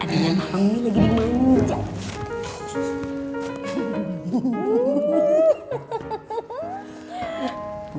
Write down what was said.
ada yang hamil lagi dimanjakan